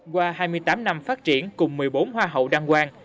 qua hai mươi tám năm phát triển cùng một mươi bốn hoa hậu đăng quang